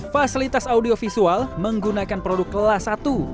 fasilitas audiovisual menggunakan produk kelas satu